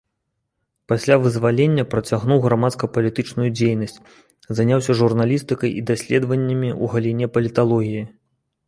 Пасля вызвалення працягнуў грамадска-палітычную дзейнасць, заняўся журналістыкай і даследваннямі ў галіне паліталогіі.